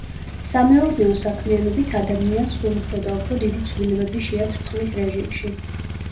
სამეურნეო საქმიანობით ადამიანს სულ უფრო და უფრო დიდი ცვლილებები შეაქვს წყლის რეჟიმში.